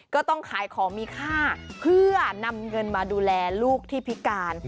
ก็ต้องขายของมีค่าเพื่อนำเงินมาดูแลลูกที่พิการ